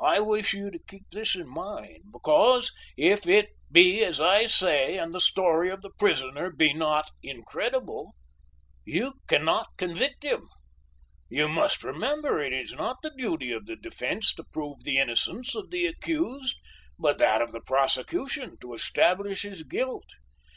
I wish you to keep this in mind, because, if it be as I say and the story of the prisoner be not incredible, you cannot convict him; you must remember it is not the duty of the defence to prove the innocence of the accused, but that of the prosecution to establish his guilt.